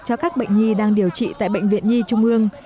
cho các bệnh nhi đang điều trị tại bệnh viện nhi trung ương